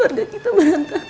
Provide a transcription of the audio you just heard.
orang kita merantakan